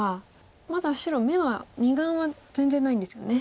まだ白眼は２眼は全然ないんですよね。